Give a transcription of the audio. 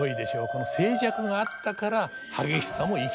この静寂があったから激しさも生きてくるわけです。